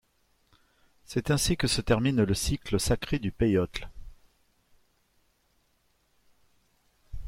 C'est ainsi que se termine le cycle sacré du peyotl.